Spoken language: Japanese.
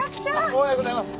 おはようございます！